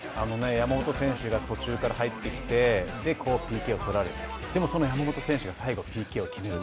山本選手が途中から入ってきてＰＫを取られて、でも、その山本選手が最後、ＰＫを決める